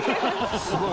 すごい。